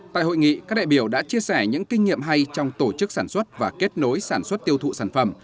tại hội nghị các đại biểu đã chia sẻ những kinh nghiệm hay trong tổ chức sản xuất và kết nối sản xuất tiêu thụ sản phẩm